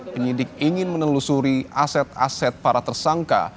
penyidik ingin menelusuri aset aset para tersangka